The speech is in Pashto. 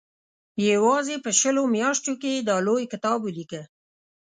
یوازې په شلو میاشتو کې یې دا لوی کتاب ولیکه.